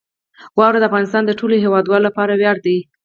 واوره د افغانستان د ټولو هیوادوالو لپاره ویاړ دی.